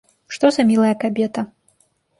Што за мілая кабета?!.